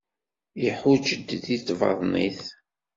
Iḥuǧǧ di tbaḍnit.